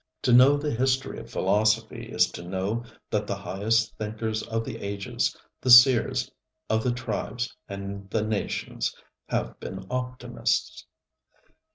To know the history of philosophy is to know that the highest thinkers of the ages, the seers of the tribes and the nations, have been optimists.